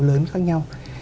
lớn khác nhau